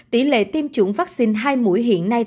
tỷ lệ tiêm chủng vaccine hai mũi hiện nay